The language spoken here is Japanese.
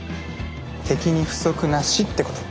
敵に不足なしってこと。